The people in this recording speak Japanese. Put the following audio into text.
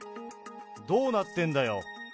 どうなってんだよ。